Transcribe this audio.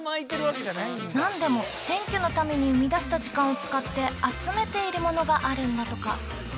何でも選挙のために生み出した時間を使って集めているものがあるんだとか。